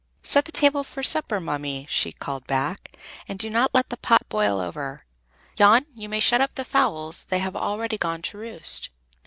"Set the table for supper, ma Mie," she called back, "and do not let the pot boil over! Jan, you may shut up the fowls; they have already gone to roost."